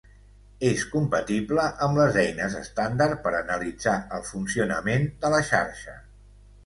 És compatible amb les eines estàndard per analitzar el funcionament de la xarxa.